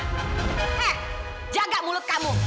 he jaga mulut kamu